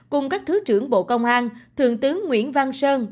cùng các thứ trưởng bộ công an thượng tướng nguyễn văn sơn